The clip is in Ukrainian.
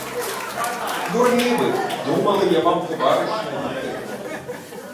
Дурні ви: думали, я вам товариш навіки?